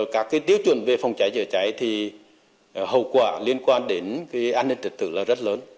các cái tiêu chuẩn về phòng cháy chữa cháy thì hậu quả liên quan đến cái an ninh thực tực là rất lớn